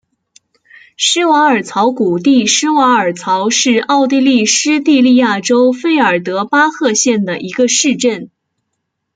施瓦尔曹谷地施瓦尔曹是奥地利施蒂利亚州费尔德巴赫县的一个市镇。